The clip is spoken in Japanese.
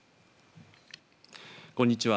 こんにちは。